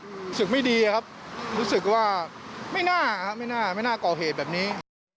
รู้สึกไม่ดีครับรู้สึกว่าไม่น่าไม่น่าก่อเหตุแบบนี้